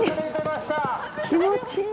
気持ちいい。